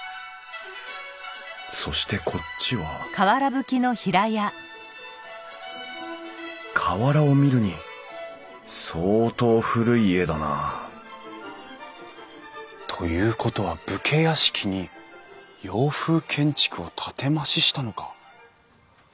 そしてこっちは瓦を見るに相当古い家だなということは武家屋敷に洋風建築を建て増ししたのか？